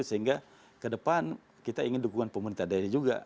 sehingga ke depan kita ingin dukungan pemerintah daerah juga